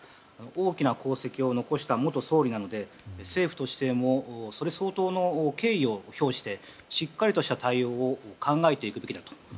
大きな功績を残した元総理なので政府としても、それ相当の敬意を表して、しっかりとした対応を考えていくべきだと。